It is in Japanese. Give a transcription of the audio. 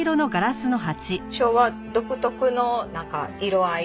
昭和独特のなんか色合い。